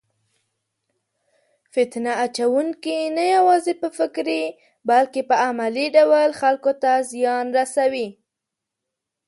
فتنه اچونکي نه یوازې په فکري بلکې په عملي ډول خلکو ته زیان رسوي.